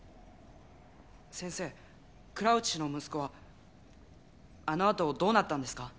先生クラウチ氏の息子はあのあとどうなったんですか？